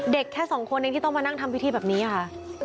แค่สองคนเองที่ต้องมานั่งทำพิธีแบบนี้ค่ะ